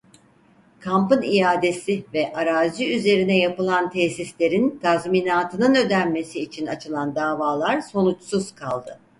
Kampın iadesi ve arazi üzerine yapılan tesislerin tazminatının ödenmesi için açılan davalar sonuçsuz kaldı.